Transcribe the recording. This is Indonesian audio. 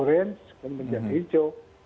dan menjadi hijau